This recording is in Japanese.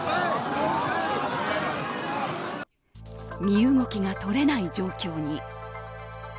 身動きが取れない状況に。